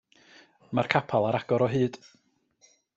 Mae'r capel ar agor o hyd.